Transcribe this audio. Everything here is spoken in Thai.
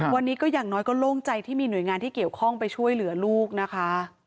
วันนี้ก็อย่างน้อยก็โล่งใจที่มีหน่วยงานที่เกี่ยวข้องไปช่วยเหลือลูกนะคะ